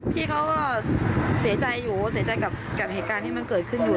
พี่เขาก็เสียใจอยู่เสียใจกับเหตุการณ์ที่มันเกิดขึ้นอยู่